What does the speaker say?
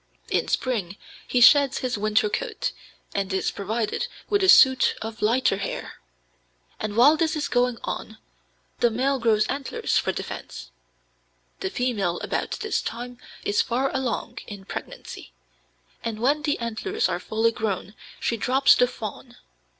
In spring he sheds his winter coat, and is provided with a suit of lighter hair, and while this is going on the male grows antlers for defence. The female about this time is far along in pregnancy, and when the antlers are fully grown she drops the fawn.